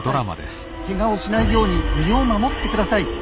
ケガをしないように身を守ってください。